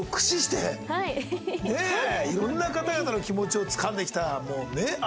いろんな方々の気持ちをつかんできた。